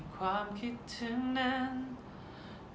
ให้ความคิดถึงฉันกอดกันข้างในใจ